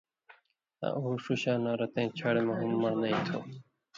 آں اُو ݜُو شاناں رتَیں چھاڑیۡ مہ ہُم من٘ڑنئ تُھو۔